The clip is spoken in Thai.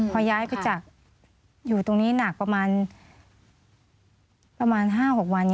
พอย้ายไปจากอยู่ตรงนี้หนักประมาณ๕๖วัน